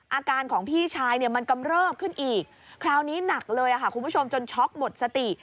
อาการของพี่ชายเนี่ยมันกำเริบขึ้นอีกคราวนี้หนักเลยค่ะคุณผู้ชมจนช็อกหมดสติ